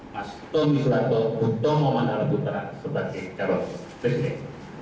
mas tommy soeharto hutomo mandala putra sebagai calon presiden